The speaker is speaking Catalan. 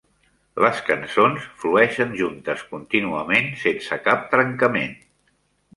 Les cançons flueixen juntes contínuament sense cap trencament.